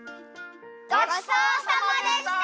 ごちそうさまでした！